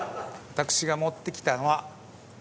私が持ってきたのはこれです。